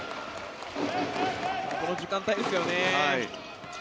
この時間帯ですよね。